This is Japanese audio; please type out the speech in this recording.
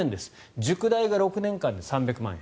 塾代が６年間で３００万円。